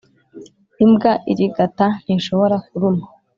imbwa irigata ntishobora kuruma